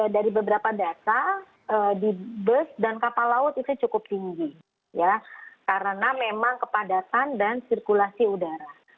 dari beberapa data di bus dan kapal laut itu cukup tinggi ya karena memang kepadatan dan sirkulasi udara